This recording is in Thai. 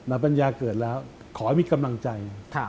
ปัญญาเกิดแล้วขอให้มีกำลังใจ